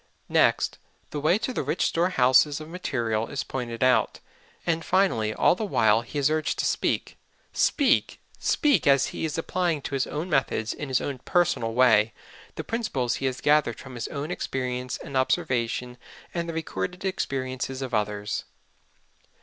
Next, the way to the rich storehouses of material is pointed out. And finally, all the while he is urged to speak, speak, SPEAK as he is applying to his own methods, in his own personal way, the principles he has gathered from his own experience and observation and the recorded experiences of others.